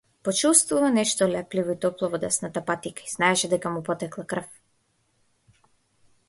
Почувствува нешто лепливо и топло во десната патика и знаеше дека му потекла крв.